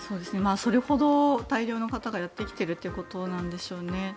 それほど大量の方がやってきているということなんでしょうね。